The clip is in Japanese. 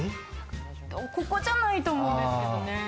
ここじゃないと思うんですけどね。